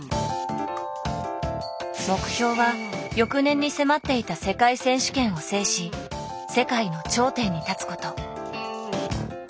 目標は翌年に迫っていた世界選手権を制し世界の頂点に立つこと。